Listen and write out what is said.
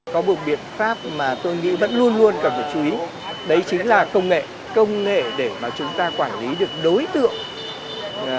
có một biện pháp mà tôi nghĩ vẫn luôn luôn cần phải chú ý đấy chính là công nghệ công nghệ để mà chúng ta quản lý được đối tượng